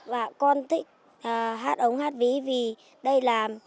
và con thích hát ống hát ví vì đây làm